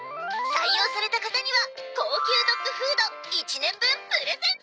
「採用された方には高級ドッグフード１年分プレゼント！」